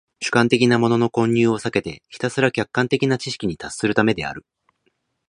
主観的なものの混入を避けてひたすら客観的な知識に達するためである。